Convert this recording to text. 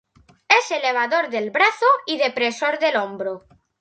Es elevador del brazo y depresor del hombro.